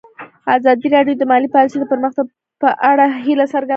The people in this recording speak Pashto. ازادي راډیو د مالي پالیسي د پرمختګ په اړه هیله څرګنده کړې.